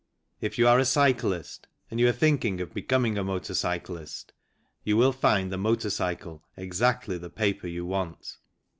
If you are a Cyclist, and are thinking of becoming a motor cvc list, you will find ' The Motor Cycle " exactly the paper you want.